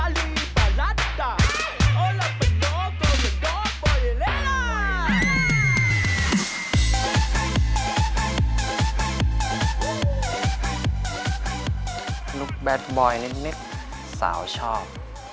ลูกแบตบอยนิดสาวชอบ